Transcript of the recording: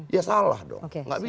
ya salah dong